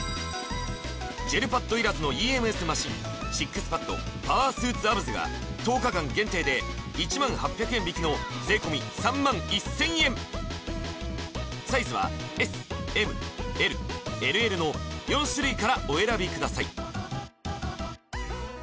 ジェルパッドいらずのＥＭＳマシンＳＩＸＰＡＤパワースーツアブズが１０日間限定で１０８００円引きの税込３１０００円サイズはＳＭＬＬＬの４種類からお選びください